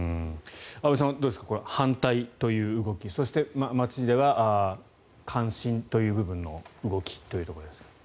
安部さん、どうですか反対という動きそして、街では関心という部分の動きということですが。